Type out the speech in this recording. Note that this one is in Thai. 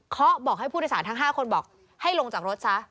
เขาบอกให้ผู้โดยสารทั้ง๕คนบอกให้ลงจากรถซะ